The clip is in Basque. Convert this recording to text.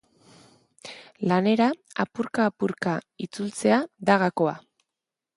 Lanera apurka-apurka itzultzea da gakoa.